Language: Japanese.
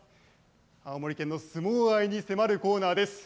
青森県の相撲愛に迫るコーナーです。